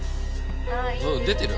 出てる？